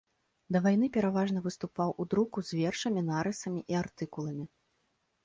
Да вайны пераважна выступаў у друку з вершамі, нарысамі і артыкуламі.